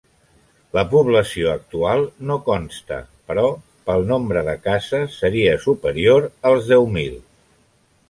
La població actual no consta però pel nombre de cases seria superior als deu mil.